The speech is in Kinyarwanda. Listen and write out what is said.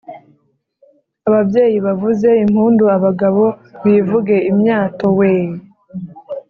ababyeyi bavuze impundu, abagabo bivuge imyato weee